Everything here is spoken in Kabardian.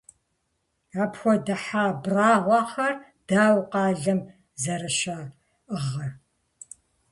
Апхуэдэ хьэ абрагъуэхэр дауэ къалэм зэрыщаӀыгъыр?!